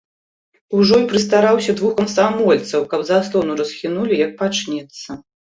Ужо й прыстараўся двух камсамольцаў, каб заслону расхінулі, як пачнецца.